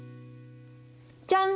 じゃん。